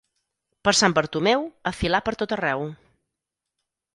Per Sant Bartomeu, a filar pertot arreu.